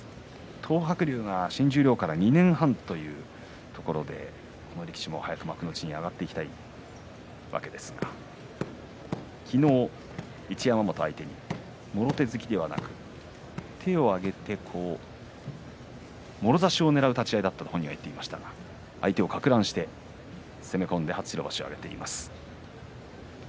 東白龍が新十両から２年半というところでこの力士も早く幕内に上がっていきたいわけですが昨日、一山本は相手にもろ手突きではなく手を上げてもろ差しをねらう立ち合いだと本人が言っていましたが相手を、かく乱して攻め込んで初白星を挙げています。